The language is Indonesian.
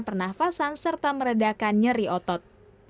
pernafasan serta meredakan nyeri otot